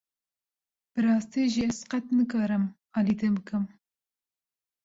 Bi rastî jî ez qet nikarim alî te bikim.